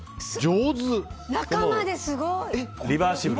中まですごい。